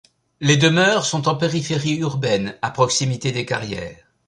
Les demeures sont en périphérie urbaine, à proximité des carrières.